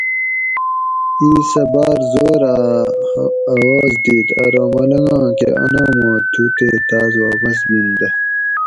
اِیس اۤ باۤر زور اۤ اواز دِیت ارو ملنگاں کہ انامات تھُو تے تاۤس واپس گِن دہ